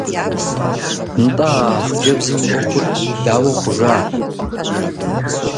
НтӀэ, а хъыджэбзым и Ӏуэхур дауэ хъужа?